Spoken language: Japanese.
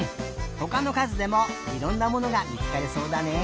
ほかのかずでもいろんなものがみつかりそうだね。